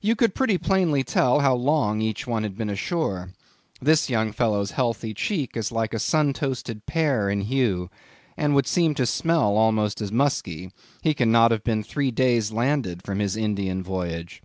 You could pretty plainly tell how long each one had been ashore. This young fellow's healthy cheek is like a sun toasted pear in hue, and would seem to smell almost as musky; he cannot have been three days landed from his Indian voyage.